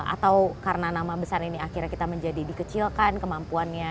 atau karena nama besar ini akhirnya kita menjadi dikecilkan kemampuannya